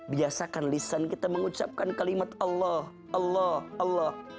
biasakan lisan kita mengucapkan kalimat allah allah allah